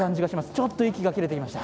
ちょっと息が切れてきました。